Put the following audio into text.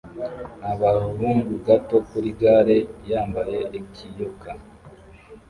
Agahungu gato kuri gare yambaye ikiyoka